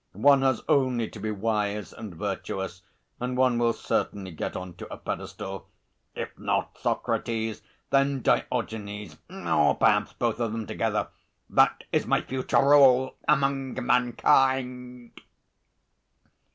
One has only to be wise and virtuous and one will certainly get on to a pedestal. If not Socrates, then Diogenes, or perhaps both of them together that is my future rôle among mankind."